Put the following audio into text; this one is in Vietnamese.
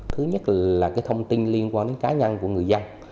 thứ nhất là thông tin liên quan đến cá nhân của người dân